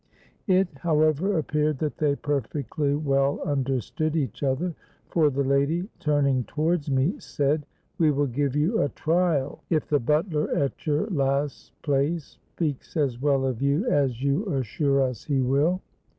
It however appeared that they perfectly well understood each other; for the lady, turning towards me, said, 'We will give you a trial if the butler at your last place speaks as well of you as you assure us he will.